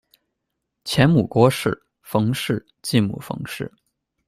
前母郭氏；冯氏；继母冯氏。